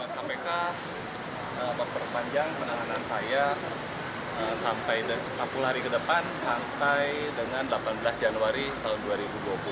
kpk memperpanjang penahanan saya sampai delapan belas januari dua ribu dua puluh